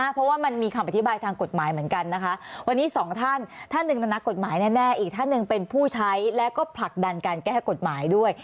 เพราะว่ามันมีคำอธิบายทางกฎหมายเหมือนกันนะคะวันนี้สองท่านท่านหนึ่งนะนักกฎหมายแน่อีกท่านหนึ่งเป็นผู้ใช้แล้วก็ผลักดันการแก้กฎหมายด้วย